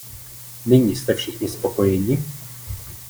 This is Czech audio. Nyní jste všichni spokojeni?